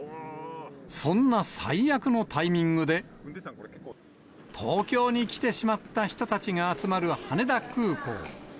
そんな最悪のタイミングで、東京に来てしまった人たちが集まる羽田空港。